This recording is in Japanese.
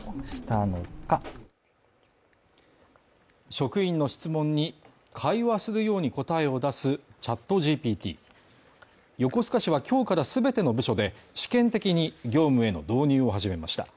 職員の質問に会話するように答えを出すＣｈａｔＧＰＴ横須賀市は今日から全ての部署で試験的に業務への導入を始めました。